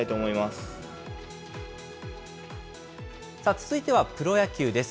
続いてはプロ野球です。